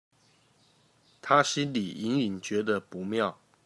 她心裡隱隱覺得不妙